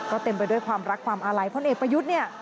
ก็เต็มไปด้วยความรักความอาลัยพลเอกประยุทธ์เนี่ย